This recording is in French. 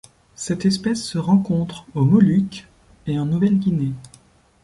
Cette espèce se rencontre aux Moluques et en Nouvelle-Guinée.